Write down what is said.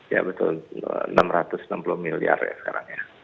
ya betul enam ratus enam puluh miliar ya sekarang ya